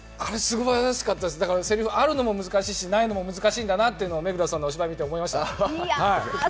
せりふあるのも難しいし、ないのも難しいんだなと目黒さんのお芝居を見て思いました。